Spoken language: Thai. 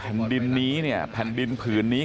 แผ่นดินนี้เนี่ยแผ่นดินผืนนี้